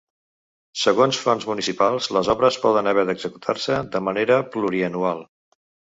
Segons fonts municipals, les obres poden haver d’executar-se de manera plurianual.